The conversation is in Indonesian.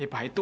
eh pak itu